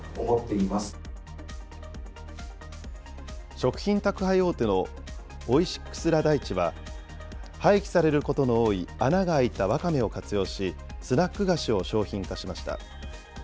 食品宅配大手のオイシックス・ラ・大地は、廃棄されることの多い穴が開いたわかめを活用し、スナック菓子を商品化しました。